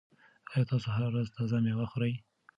آیا تاسو هره ورځ تازه مېوه خورئ؟